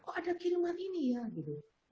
kok ada kiriman ini ya gitu